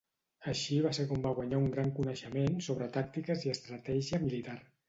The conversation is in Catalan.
Així va ser com va guanyar un gran coneixement sobre tàctiques i estratègia militar.